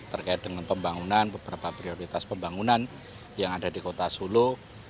terkait dengan pembangunan beberapa prioritas pembangunan yang ada di kota solo